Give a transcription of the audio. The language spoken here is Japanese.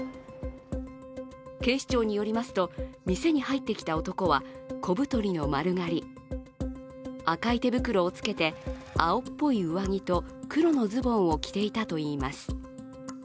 警視庁によりますと、店に入ってきた男は小太りの丸刈り、赤い手袋をつけて、青っぽい上着と黒のズボンを着ていたといいます。